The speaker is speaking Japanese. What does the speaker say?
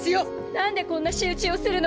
なんでこんな仕打ちをするの？